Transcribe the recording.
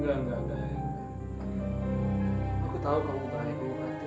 aku tahu kau baik